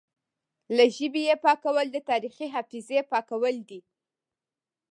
له ژبې یې پاکول د تاریخي حافظې پاکول دي